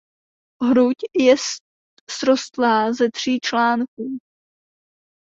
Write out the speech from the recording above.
Hruď je srostlá ze tří článků.